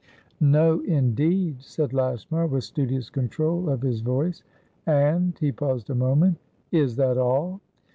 "No, indeed," said Lashmar, with studious control of his voice. "And"he paused a moment"is that all?"